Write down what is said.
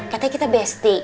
katanya kita besti